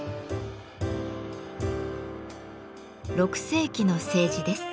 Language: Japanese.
６世紀の青磁です。